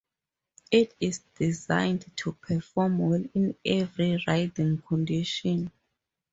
It is designed to perform well in every riding condition.